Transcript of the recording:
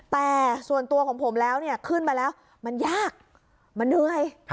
แต่ส่วนตัวของผมแล้วเนี่ยขึ้นมาแล้วมันยากมันเหนื่อย